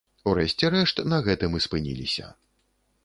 У рэшце рэшт, на гэтым і спыніліся.